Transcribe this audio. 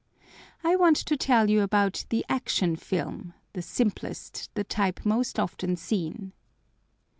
I want to tell you about the Action Film, the simplest, the type most often seen.